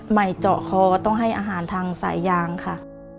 เจาะคอต้องให้อาหารทางสายยางค่ะ